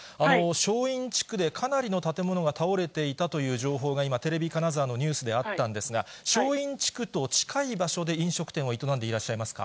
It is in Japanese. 正院地区でかなりの建物が倒れていたという情報が今、テレビ金沢のニュースであったんですが、正院地区と近い場所で飲食店を営んでいらっしゃいますか。